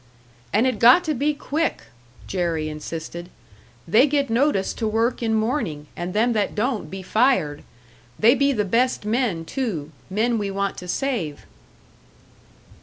"And it got to be quick!" Jerry insisted. "They get notice to work in morning, and them that don't be fired. They be the best men, too men we want to save."